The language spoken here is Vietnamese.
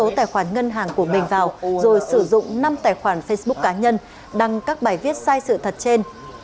cường đã đăng ký tài khoản ngân hàng của mình vào rồi sử dụng năm tài khoản facebook cá nhân đăng các bài viết sai sự thật trên